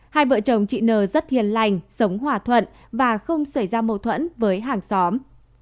hai vợ chồng chị nờ rất hiền lành sống hòa thuận và không xảy ra mâu thuẫn với hàng xóm